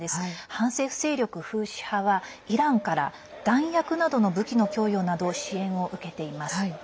反政府勢力フーシ派はイランから弾薬などの武器の供与など支援を受けています。